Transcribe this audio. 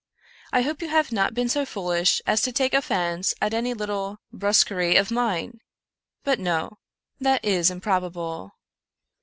I hope you have not been so foolish as to take offense at any little brusquerie of mine ; but no, that is improbable.